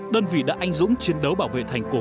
đơn vị đã anh dũng chiến đấu bảo vệ thành cổ